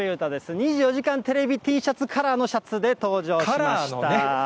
２４時間テレビＴシャツカラーのシャツで登場しましたね。